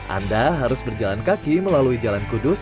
anda harus berjalan kaki melalui jalan kudus